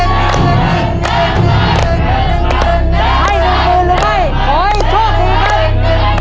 ใครอยู่มือหรือไม่ขอให้โชคดีนะครับ